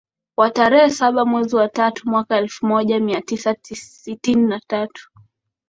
wa tarehe saba mwezi wa tatu mwaka elfu moja mia tisa sitini na tatu